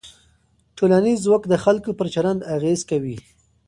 ټولنیز ځواک د خلکو پر چلند اغېز کوي.